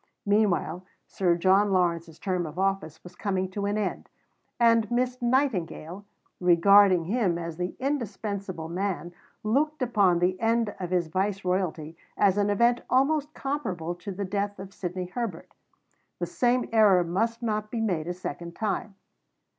Meanwhile Sir John Lawrence's term of office was coming to an end; and Miss Nightingale, regarding him as the indispensable man, looked upon the end of his viceroyalty as an event almost comparable to the death of Sidney Herbert. The same error must not be made a second time.